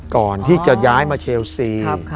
ก่อนที่จะย้ายมาเชลซี